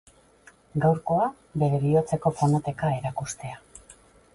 Gaurkoa, bere bihotzeko fonoteka erakustea.